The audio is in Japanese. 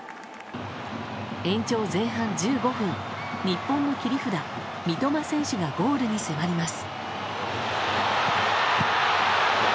延長前半１５分、日本の切り札三笘選手がゴールに迫ります。